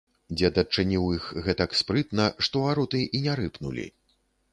Дзед адчыніў іх гэтак спрытна, што вароты і не рыпнулі.